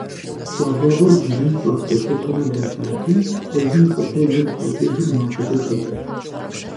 И щӀалэгъуэр бжьым щӀэт зэпытурэ блэкӀати, лӀыжьым фӀыкӀэ игу къэкӀыжыр мащӀэ дыдэт.